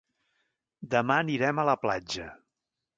Demà anirem a la platja.